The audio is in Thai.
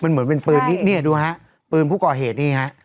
มันเหมือนเป็นปืนนี้เนี่ยดูฮะปืนผู้ก่อเหตุนี่ฮะ